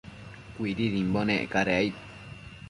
Cuididimbo nec cadec aid